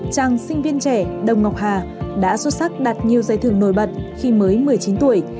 chàng sinh viên trẻ đông ngọc hà đã xuất sắc đạt nhiều giải thưởng nổi bật khi mới một mươi chín tuổi